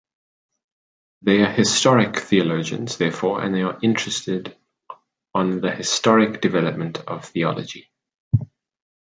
They’re historic theologians, therefore, they are interested on the historic development of theology.